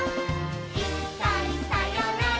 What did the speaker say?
「いっかいさよなら